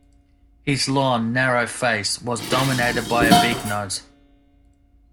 His long, narrow face was dominated by a big nose.